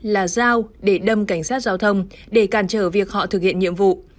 là dao để đâm cảnh sát giao thông để cản trở việc họ thực hiện nhiệm vụ